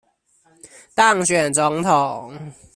當選總統